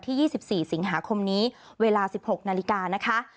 ๒๔สิงหาคมนี้เวลา๑๖นาฬิกานะคะ